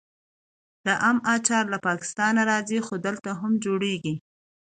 د ام اچار له پاکستان راځي خو دلته هم جوړیږي.